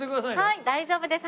はい大丈夫です。